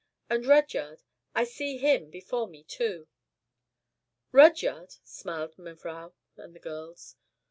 And Rudyard: I see him before me too." "Rudyard!" smiled mevrouw and the girls.